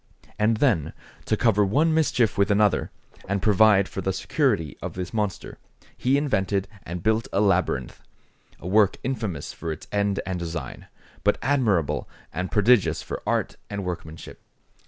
And then, to cover one mischief with another, and provide for the security of this monster, he invented and built a labyrinth; a work infamous for its end and design, but admirable and prodigious for art and workmanship.